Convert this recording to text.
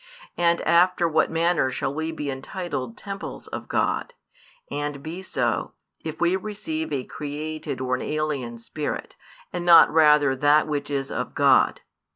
And after what manner shall we be entitled temples of |304 God, and be so, if we receive a created or an alien spirit, and not rather That Which is of God?